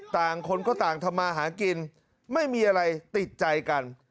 ต่างคนก็ต่างทำมาหากินไม่มีอะไรติดใจกัน